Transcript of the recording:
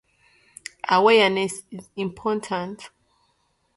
Awareness is important